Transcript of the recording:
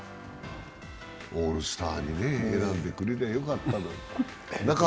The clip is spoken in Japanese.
オールスターにね、選んでくれりゃよかったのに。